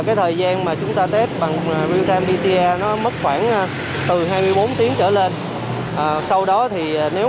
cái thời gian mà chúng ta test bằng real time pcr nó mất khoảng từ hai mươi bốn tiếng trở lên sau đó thì nếu